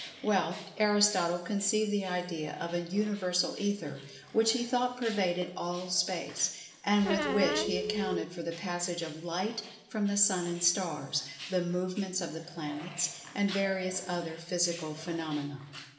Well, Aristotle conceived the idea of an Universal Ether, which he thought pervaded all space, and with which he accounted for the passage of light from the sun and stars; the movements of the planets, and various other physical phenomena.